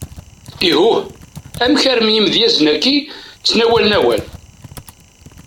Ihuh! amek armi imedyazen agi ttnawalen awal?